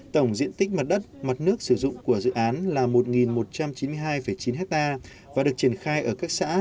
tổng diện tích mặt đất mặt nước sử dụng của dự án là một một trăm chín mươi hai chín ha và được triển khai ở các xã